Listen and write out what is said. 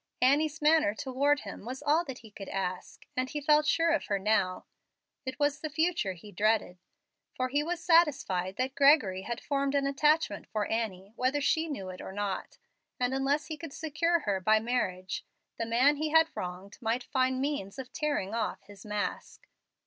Annie's manner toward him was all that he could ask, and he felt sure of her now. But it was the future he dreaded, for he was satisfied that Gregory had formed an attachment for Annie, whether she knew it or not, and, unless he could secure her by marriage, the man he had wronged might find means of tearing off his mask.